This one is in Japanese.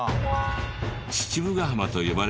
父母ヶ浜と呼ばれるビーチで